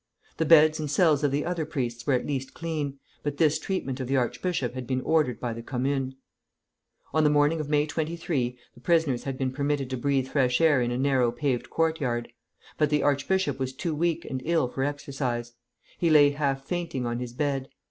The beds and cells of the other priests were at least clean, but this treatment of the archbishop had been ordered by the Commune. On the morning of May 23 the prisoners had been permitted to breathe fresh air in a narrow paved courtyard; but the archbishop was too weak and ill for exercise; he lay half fainting on his bed.